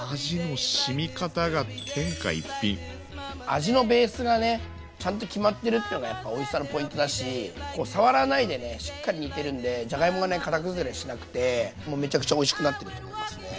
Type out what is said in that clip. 味のベースがねちゃんと決まってるっていうのがねやっぱおいしさのポイントだし触らないでねしっかり煮てるんでじゃがいもが形崩れしなくてもうめちゃくちゃおいしくなってると思いますね。